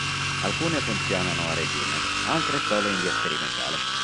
Alcune funzionano a regime, altre solo in via sperimentale.